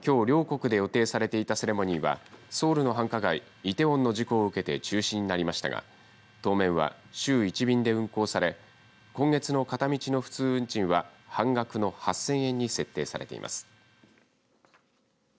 きょう両国で予定されていたセレモニーはソウルの繁華街、イテウォンの事故を受けて中止になりましたが当面は週１便で運航され今月の片道の普通運賃は半額の８０００円に設定されています。